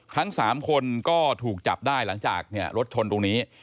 ทั้ง๓คนก็ถูกจับได้หลังจากรถชนตรงนี้